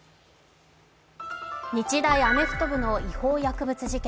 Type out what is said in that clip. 日大アメフト部の違法薬物事件